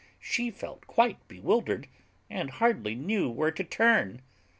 She felt quite bewildered and hardly knew where to turn.